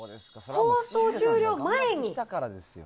放送終了前に？